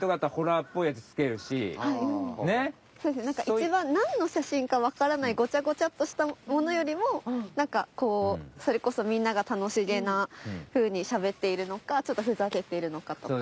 一番なんの写真かわからないごちゃごちゃとしたものよりもなんかこうそれこそみんなが楽しげなふうにしゃべっているのかちょっとふざけてるのかとか。